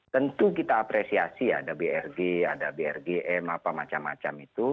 tentu kita apresiasi ya ada brg ada brgm apa macam macam itu